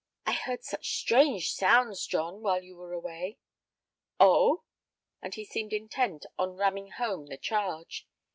"I heard such strange sounds, John, while you were away!" "Oh!" And he seemed intent on ramming home the charge.